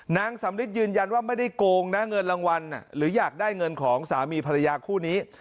นางสำริทยืนยันว่าไม่ได้โกงนะเงินรางวัลหรืออยากได้เงินของสามีภรรยาคู่นี้